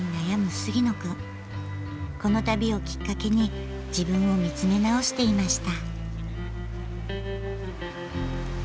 この旅をきっかけに自分を見つめ直していました。